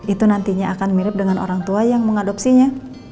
itu nantinya akan mirip dengan orang tua yang mengadopsinya